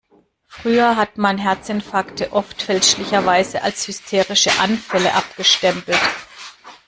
Früher hat man Herzinfarkte oft fälschlicherweise als hysterische Anfälle abgestempelt.